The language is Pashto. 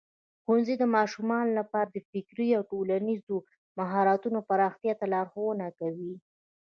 ښوونځی د ماشومانو لپاره د فکري او ټولنیزو مهارتونو پراختیا ته لارښوونه کوي.